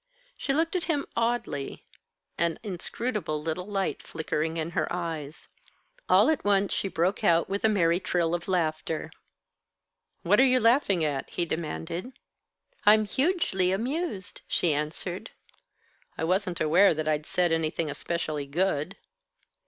She looked at him oddly, an inscrutable little light flickering in her eyes. All at once she broke out with a merry trill of laughter. "What are you laughing at?" he demanded. "I'm hugely amused," she answered. "I wasn't I aware that I'd said anything especially good."